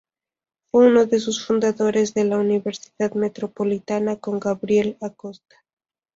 Fue unos de los fundadores de la Universidad Metropolitana, con Gabriel Acosta.